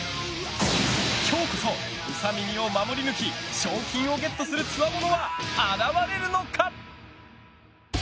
今日こそ、ウサ耳を守り抜き賞金をゲットするつわものは現れるのか？